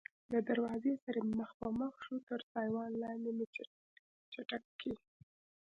له دروازې سره مخ په مخ شوو، تر سایوان لاندې په چټک کې.